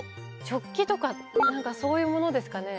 食器とかそういうものですかね